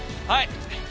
はい！